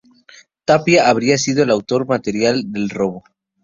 Tapia habría sido el autor material del robo.